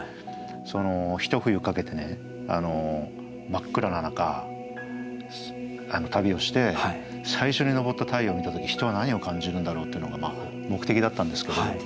真っ暗な中旅をして最初に昇った太陽を見た時人は何を感じるんだろうっていうのが目的だったんですけど。